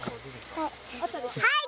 はい。